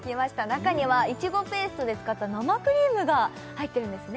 中にはいちごペーストで使った生クリームが入ってるんですね